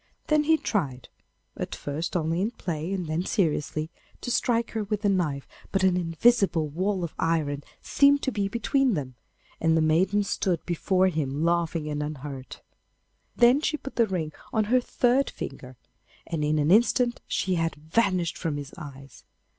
Then he tried, at first only in play, and then seriously, to strike her with the knife, but an invisible wall of iron seemed to be between them, and the maiden stood before him laughing and unhurt. Then she put the ring on her third finger, and in an instant she had vanished from his eyes.